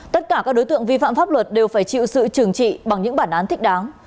tất cả các đối tượng vi phạm pháp luật đều phải chịu sự trừng trị bằng những bản án thích đáng